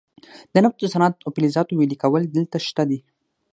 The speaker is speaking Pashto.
د نفتو د صنعت او فلزاتو ویلې کول دلته شته دي.